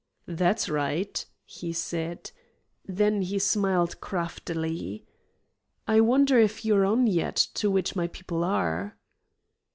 "That's right," he said. Then he smiled craftily. "I wonder if you're on yet to which my people are."